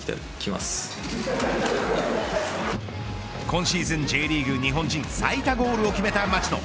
今シーズンＪリーグ日本人最多ゴールを決めた町野。